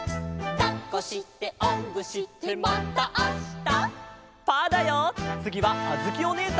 「だっこしておんぶしてまたあした」